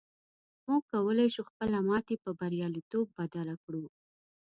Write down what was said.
موږ کولی شو خپله ماتې پر برياليتوب بدله کړو.